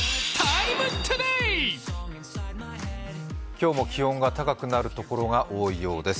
今日も気温が高くなるところが多いようです。